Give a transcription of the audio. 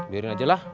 biarin aja lah